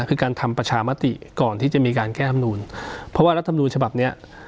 คือการทำประชามติก่อนที่จะมีการแก้ธรรมนูลเพราะว่ารัฐมนูญฉบับเนี้ย